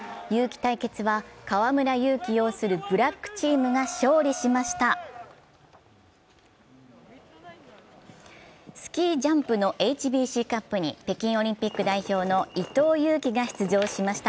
対決は河村勇輝擁するブラックチームが勝利しました。